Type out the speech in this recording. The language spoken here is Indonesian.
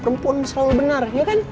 perempuan selalu benar ya kan